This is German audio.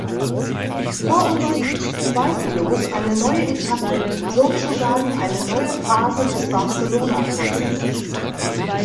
Vor uns liegt zweifellos eine neue Etappe, sozusagen eine neue Phase des Barcelona-Prozesses.